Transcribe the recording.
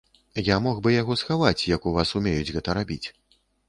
Я мог бы яго схаваць, як у вас умеюць гэта рабіць.